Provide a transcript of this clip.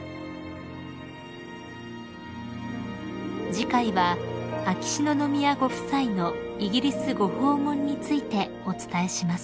［次回は秋篠宮ご夫妻のイギリスご訪問についてお伝えします］